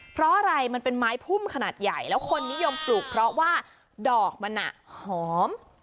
เพราะอะไรมันเป็นไม้พุ่มขนาดใหญ่แล้วคนนิยมปลูกเพราะว่าดอกมันหอม